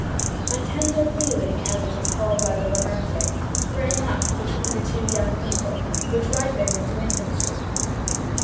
A tender feeling (as it is called by the romantic) sprang up between the two young people, which ripened into intimacy.